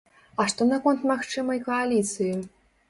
А што наконт магчымай кааліцыі?